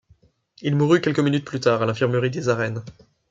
Il mourut quelques minutes plus tard à l’infirmerie des arènes.